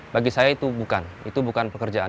bagi saya itu bukan itu bukan pekerjaan